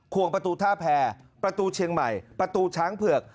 วงประตูท่าแพรประตูเชียงใหม่ประตูช้างเผือก